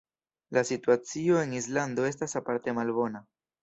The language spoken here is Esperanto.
La situacio en Islando estas aparte malbona.